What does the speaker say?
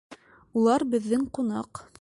Улар беҙҙең ҡунаҡ!